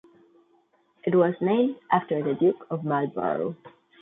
It was named after the Duke of Marlborough.